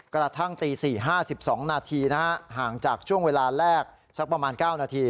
กระทั่งตี๔๕๒นาทีห่างจากช่วงเวลาแรกสักประมาณ๙นาที